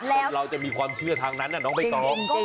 อ๋อแล้วสิสิเราจะมีความเชื่อทางนั้นน่ะน้องขอบรองจริง